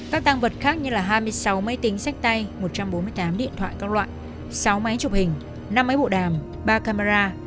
các tăng vật khác như là hai mươi sáu máy tính sách tay một trăm bốn mươi tám điện thoại các loại sáu máy chụp hình năm máy bộ đàm ba camera